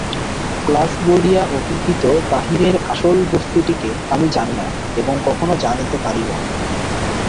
Glass বলিয়া অভিহিত বাহিরের আসল বস্তুটিকে আমি জানি না এবং কখনও জানিতে পারিব না।